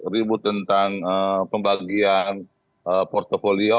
ribut tentang pembagian portfolio